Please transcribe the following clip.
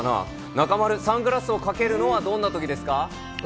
中丸、サングラスをかけるのはどんなときですか。